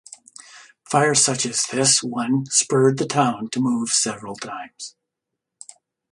Fires such as this one spurred the town to move several times.